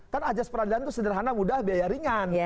kan aja spadugata itu sederhana mudah biaya ringan